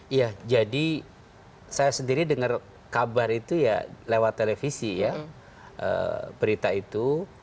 iya jadi saya sendiri dengar kabar itu ya lewat televisi ya berita itu